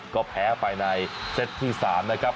ก็แพ้ไปในเซตที่๓นะครับ